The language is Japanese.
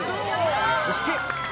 そして。